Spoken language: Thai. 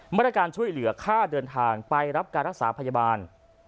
มาตรการช่วยเหลือค่าเดินทางไปรับการรักษาพยาบาล